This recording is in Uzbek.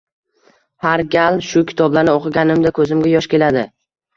Har gal shu kitoblarni o‘qiganimda, ko’zimga yosh keladi.